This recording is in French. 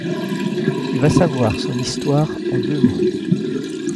Tu vas savoir son histoire en deux mots.